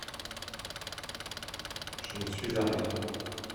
Je ne suis à rien…